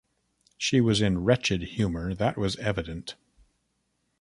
She was in wretched humor; that was evident.